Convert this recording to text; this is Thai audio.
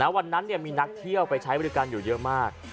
วันนั้นมีนักเที่ยวไปใช้บริการอยู่เยอะมาก